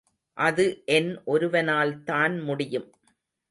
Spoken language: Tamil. அது என் ஒருவனால்தான் முடியும்.